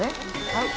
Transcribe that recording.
はい。